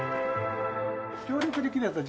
協力できるやつは。